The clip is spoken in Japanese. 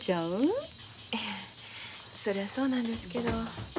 ええそれはそうなんですけど。